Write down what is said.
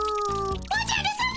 おじゃるさま！